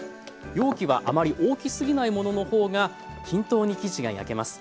容器はあまり大きすぎないものの方が均等に生地が焼けます。